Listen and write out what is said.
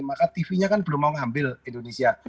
maka tv nya kan belum mau ngambil indonesia